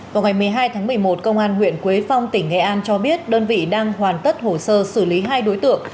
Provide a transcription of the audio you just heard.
vào ngày một mươi hai tháng một mươi một công an huyện quế phong tỉnh nghệ an cho biết đơn vị đang hoàn tất hồ sơ xử lý hai đối tượng